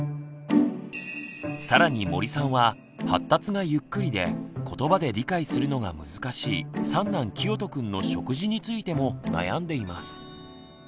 更に森さんは発達がゆっくりでことばで理解するのが難しい三男きよとくんの食事についても悩んでいます。